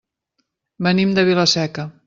Venim de Vila-seca.